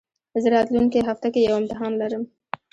زه راتلونکي هفته کي يو امتحان لرم